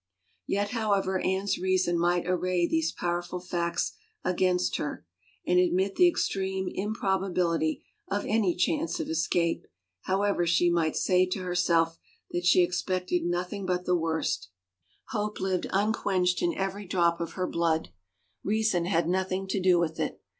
Yet however Anne's reason might array these power ful facts against her, and admit the extreme improbabil ity of any chance of escape, however she might say to herself that she expected nothing but the worst, hope 347 THE FAVOR OF KINGS lived unquenched in every drop of her blood. Reason had nothing to do with it.